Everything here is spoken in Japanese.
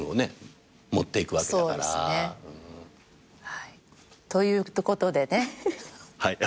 はいということでね。